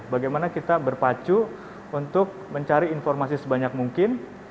bagaimana kita berpacu untuk mencari informasi sebanyak mungkin